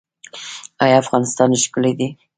آیا افغانستان ښکلی دی؟